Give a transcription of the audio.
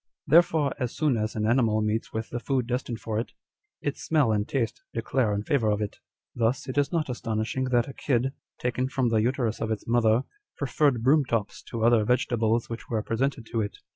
Therefore as soon as an animal meets with the food destined for it, its smell and taste declare in favour of it. Thus it is not astonishing that a kid, taken from the uterus of its mother, preferred broom tops to other vegetables which were presented to it.